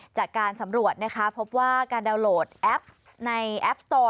จากการสำรวจนะคะพบว่าการดาวน์โหลดแอปในแอปสโต